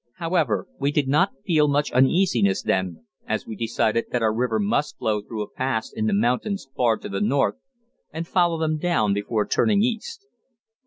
However, we did not feel much uneasiness then, as we decided that our river must flow through a pass in the mountains far to the north, and follow them down before turning east.